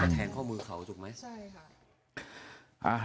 เป็นแทงข้อมือเขาจริงไหม